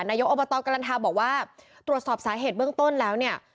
นายกอบตกรันทาบอกว่าตรวจสอบสาเหตุเบื้องต้นแล้วเนี่ย